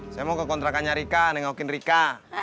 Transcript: saya mau ke kontrakannya rika nengokin rika